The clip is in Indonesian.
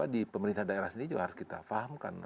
di pemerintah daerah sendiri juga harus kita fahamkan